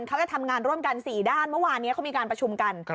เขาจะทำงานร่วมกัน๔ด้านเมื่อวานนี้เขามีการประชุมกัน